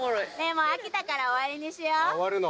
もう飽きたから終わりにしよ終わるの？